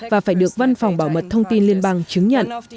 và phải được văn phòng bảo mật thông tin liên bang chứng nhận